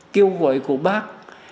kêu gọi của bác